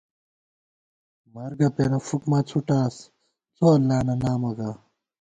مرگہ پېنہ فُک مہ څُھوٹاس، څو اللہ نہ نامہ گا